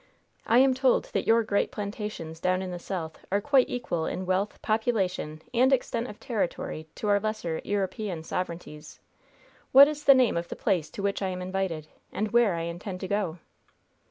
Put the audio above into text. I am told that your great plantations down in the South are quite equal in wealth, population and extent of territory to our lesser European sovereignties. What is the name of the place to which I am invited, and where I intend to go?"